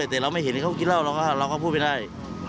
แต่เราไม่เห็นเขากินเหล้าเราก็พูดไม่ได้